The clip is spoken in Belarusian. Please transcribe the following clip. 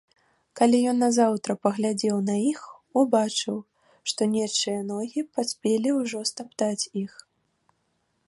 Калі ён назаўтра паглядзеў на іх, убачыў, што нечыя ногі паспелі ўжо стаптаць іх.